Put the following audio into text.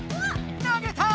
投げた！